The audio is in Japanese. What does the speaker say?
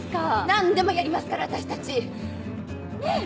何でもやりますから私たち。ねぇ！